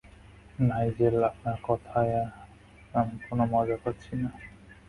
Nigel, আপনার কথায় আমি কোনো মজা পাচ্ছি না।